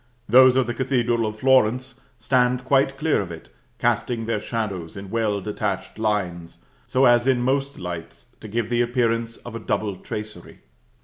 Those of the Cathedral of Florence stand quite clear of it, casting their shadows in well detached lines, so as in most lights to give the appearance of a double tracery.